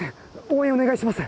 応援お願いします。